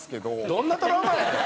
どんなトラウマやねん！